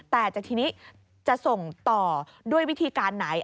แต่ทีนี้จะส่งต่อด้วยวิธีการไหน